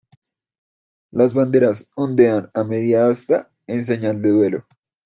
Las banderas ondean a media asta en señal de duelo.